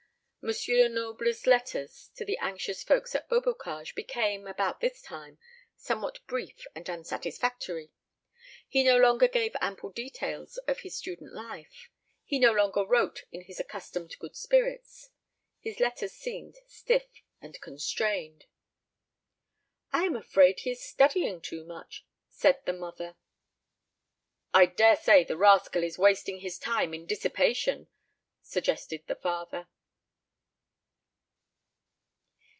M. Lenoble's letters to the anxious folks at Beaubocage became, about this time, somewhat brief and unsatisfactory. He no longer gave ample details of his student life he no longer wrote in his accustomed good spirits. His letters seemed stiff and constrained. "I am afraid he is studying too much," said the mother. "I daresay the rascal is wasting his time in dissipation," suggested the father.